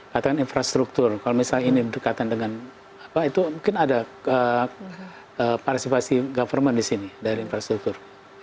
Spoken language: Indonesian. katakan infrastruktur kalau misalnya ini berdekatan dengan apa itu mungkin ada partisipasi government di sini dari infrastruktur